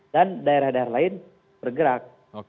dan daerah daerah lain bergerak